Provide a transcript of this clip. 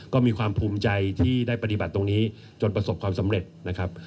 ก็มีความภูมิใจที่ได้ปฏิบัติตรงนี้จนประสบความสำเร็จนะครับ